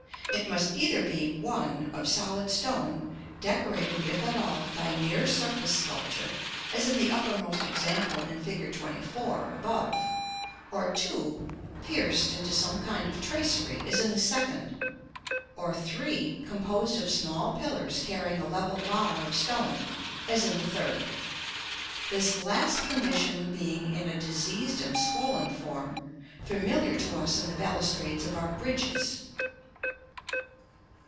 It must either be (1) of solid stone, decorated, if at all, by mere surface sculpture, as in the uppermost example in Fig. XXIV., above; or (2) pierced into some kind of tracery, as in the second; or (3) composed of small pillars carrying a level bar of stone, as in the third; this last condition being, in a diseased and swollen form, familiar to us in the balustrades of our bridges.